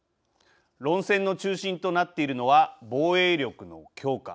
論戦の中心となっているのは防衛力の強化